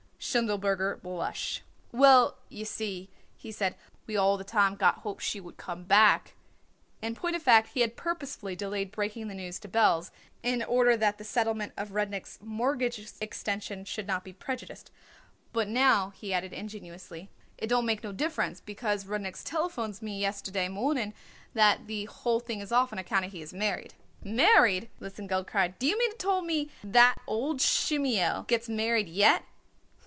Schindelberger blushed. "Well, you see," he said, "we all the time got hopes she would come back." In point of fact he had purposely delayed breaking the news to Belz in order that the settlement of Rudnik's mortgage extension should not be prejudiced. "But now," he added ingenuously, "it don't make no difference, because Rudnik telephones me yesterday morning that the whole thing is off on account he is married." "Married!" Lesengeld cried. "Do you mean to told me that old Schlemiel gets married yet?"